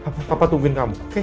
papa tungguin kamu oke